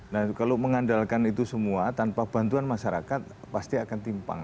nah kalau mengandalkan itu semua tanpa bantuan masyarakat pasti akan timpang